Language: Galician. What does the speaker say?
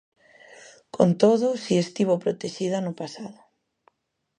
Con todo, si estivo protexida no pasado.